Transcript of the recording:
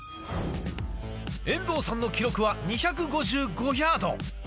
遠藤さんの記録は２５５ヤード。